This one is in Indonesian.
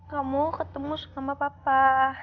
kamu ketemu sama papa